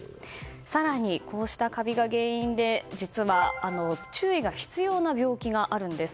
更にこうしたカビが原因で実は注意が必要な病気があります。